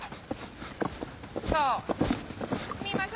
そう。